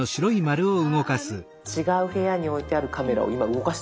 違う部屋に置いてあるカメラを今動かしてるんです。